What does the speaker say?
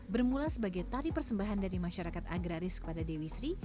bermula sebagai tari persembahan dari masyarakat agraris kepada dewi sri